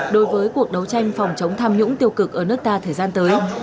đối với cuộc đấu tranh phòng chống tham nhũng tiêu cực ở nước ta thời gian tới